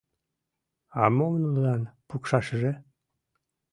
А мом нунылан пукшашыже?